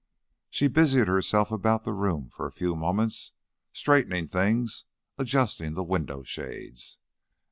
She busied herself about the room for a few moments, straightening things, adjusting the window shades.